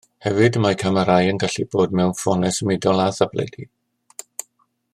Hefyd mae camerâu yn gallu bod mewn ffonau symudol a thabledi